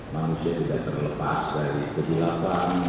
manusia tidak terlepas dari kehilafah